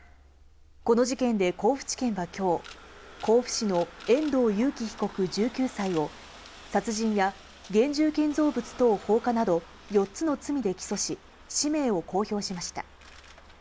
この事件で甲府地検はきょう、甲府市の遠藤裕喜被告１９歳を、殺人や現住建造物等放火など、４つの罪で起訴し、氏名を公表しました。